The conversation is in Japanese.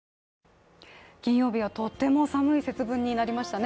金曜日はとても寒い節分になりましたね。